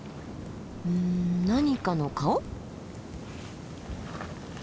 うん何かの顔？